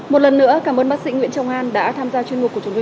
một lần nữa cảm ơn bác sĩ nguyễn trọng an đã tham gia chuyên mục của chúng tôi